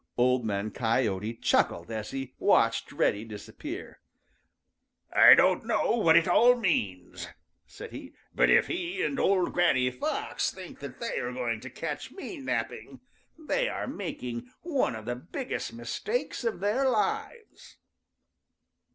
Old Man Coyote chuckled as he watched Reddy disappear. "I don't know what it all means," said he, "but if he and old Granny Fox think that they are going to catch me napping, they are making one of the biggest mistakes of their lives."